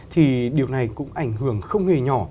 thì điều này cũng ảnh hưởng không hề nhỏ